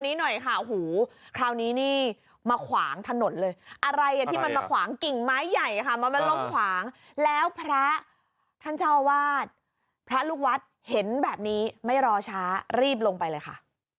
นี้หน่อยค่ะโอ้โหคราวนี้นี่มาขวางถนนเลยอะไรอ่ะที่มันมาขวางกิ่งไม้ใหญ่ค่ะมันมาล้มขวางแล้วพระท่านเจ้าวาดพระลูกวัดเห็นแบบนี้ไม่รอช้ารีบลงไปเลยค่ะ